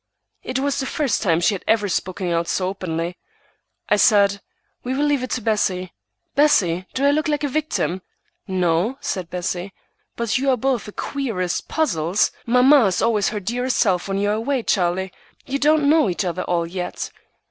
It was the first time she had ever spoken out so openly. I said,— "We will leave it to Bessie. Bessie, do I look like a victim?" "No," said Bessie, "but you are both the queerest puzzles! Mamma is always her dearest self when you are away, Charlie. You don't know each other at all yet.